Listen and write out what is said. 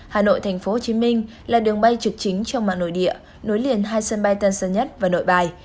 hà nội tp hcm là đường bay trực chính trong mạng nội địa nối liền hai sân bay tân sơn nhất và nội bài